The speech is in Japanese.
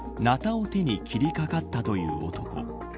ナタを手に切りかかったという男